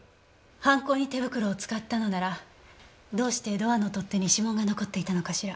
犯行に手袋を使ったのならどうしてドアの取っ手に指紋が残っていたのかしら？